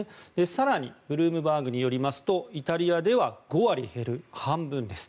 更にブルームバーグによりますとイタリアでは５割減る半分です。